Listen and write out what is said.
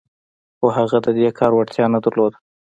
خو هغه د دې کار وړتیا نه درلوده